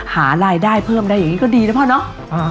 หารายได้เพิ่มได้อย่างนี้ก็ดีนะพ่อเนาะ